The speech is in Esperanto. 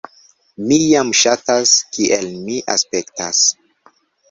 "Mi jam ŝatas kiel mi aspektas."